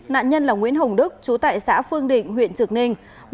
nạn nhân là nguyễn hồng đức chú tại xã phương định huyện trực ninh